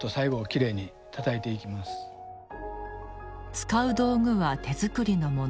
使う道具は手作りのもの。